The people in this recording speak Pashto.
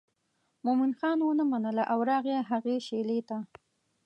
مومن خان ونه منله او راغی هغې شېلې ته.